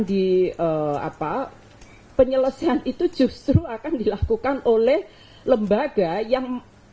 dan penyelesaian itu justru akan dilakukan oleh lembaga yang